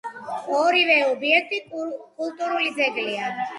ორივე ობიექტი კულტურული ძეგლია.